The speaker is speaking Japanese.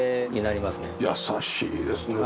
優しいですね